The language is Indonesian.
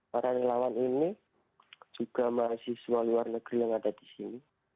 para relawan ini juga mahasiswa luar negeri yang ada di sini